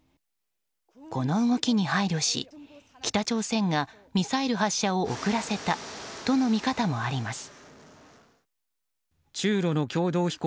この動きに配慮し、北朝鮮がミサイル発射を遅らせたとの見方もあります。